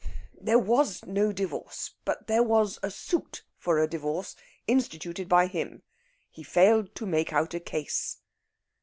There was no divorce, but there was a suit for a divorce, instituted by him. He failed to make out a case."